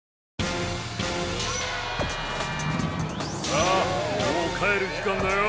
さあもう帰る時間だよ。